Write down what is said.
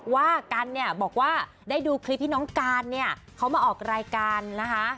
ว่ากันเนี่ยบอกว่าได้ดูคลิปที่น้องการเนี่ยเขามาออกรายการนะคะ